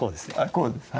こうですか？